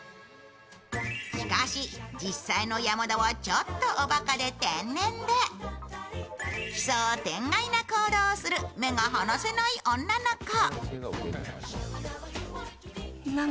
しかし実際の山田はちょっとおばかで天然で奇想天外な行動をする目が離せない女の子。